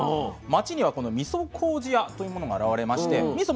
町にはこのみそこうじ屋というものが現れましてみそ